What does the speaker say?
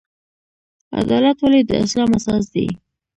عدالت ولې د اسلام اساس دی؟